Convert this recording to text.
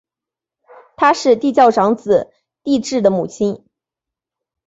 她是帝喾长子帝挚的母亲。